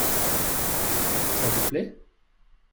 Ça vous plait ?